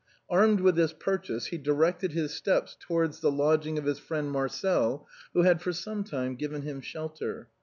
Armed with this purchase, he directed his steps towards the lodging of his friend Marcel, who had for some time given him shelter.